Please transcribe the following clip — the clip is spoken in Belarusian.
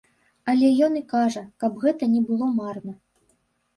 Але ён і кажа, каб гэта не было марна.